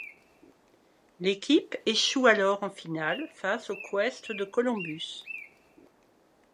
L'équipe échoue alors en finale face au Quest de Columbus.